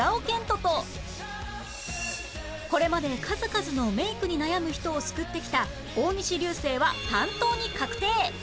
これまで数々のメイクに悩む人を救ってきた大西流星は担当に確定